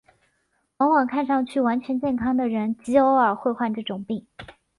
往往看上去完全健康的人极偶尔会患这种病。